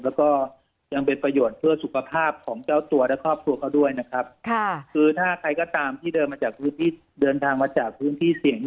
แล้วก็ยังเป็นประโยชน์เพื่อสุขภาพของเจ้าตัวและครอบครัวเขาด้วยนะครับค่ะคือถ้าใครก็ตามที่เดินมาจากพื้นที่เดินทางมาจากพื้นที่เสี่ยง